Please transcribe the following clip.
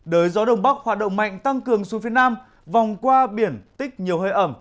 đới gió đông bắc hoạt động mạnh tăng cường xuống phía nam vòng qua biển tích nhiều hơi ẩm